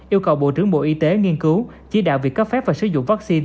yêu cầu bộ trưởng bộ y tế nghiên cứu chỉ đạo việc cấp phép và sử dụng vaccine